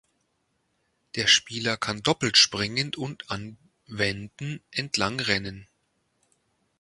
Der Spieler kann doppelt springen und an Wänden entlang rennen.